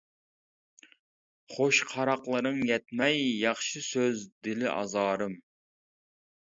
خوش قاراقلىرىڭ يەتمەي ياخشى سۆز دىلى ئازارىم.